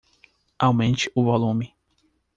Aumente o volume.